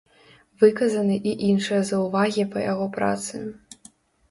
Выказаны і іншыя заўвагі па яго працы.